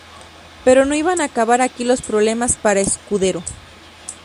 Pero no iban a acabar aquí los problemas para Escudero.